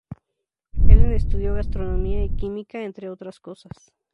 Ellen estudió astronomía y química, entre otras cosas.